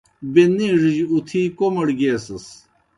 بیْہ نِیڙِجیْ اُتِھی کوْمَڑ گیسَس۔